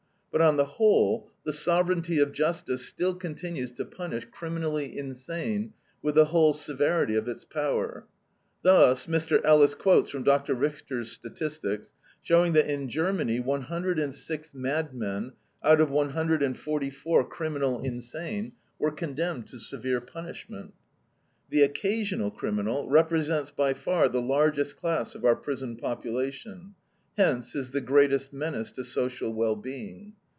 But on the whole the "sovereignty of justice" still continues to punish criminally insane with the whole severity of its power. Thus Mr. Ellis quotes from Dr. Richter's statistics showing that in Germany, one hundred and six madmen, out of one hundred and forty four criminal insane, were condemned to severe punishment. The occasional criminal "represents by far the largest class of our prison population, hence is the greatest menace to social well being."